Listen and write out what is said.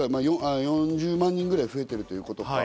４０万人ぐらい増えているということか。